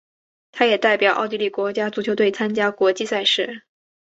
他也代表奥地利国家足球队参加国际赛事。